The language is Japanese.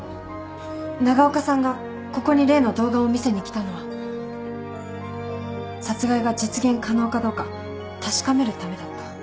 長岡さんがここに例の動画を見せに来たのは殺害が実現可能かどうか確かめるためだった。